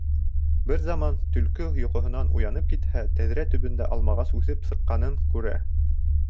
Бер заман Төлкө йоҡоһонан уянып китһә, тәҙрә төбөндә алмағас үҫеп сыҡҡанын күрә.